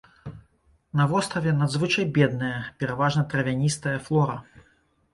На востраве надзвычай бедная, пераважна травяністая флора.